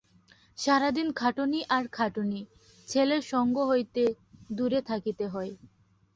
সারাদিন খাটুনি আর খাটুনি-ছেলের সঙ্গ হইতে দূরে থাকিতে হয়।